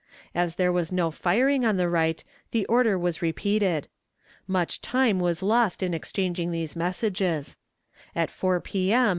As there was no firing on the right, the order was repeated. Much time was lost in exchanging these messages. At 4 P.M.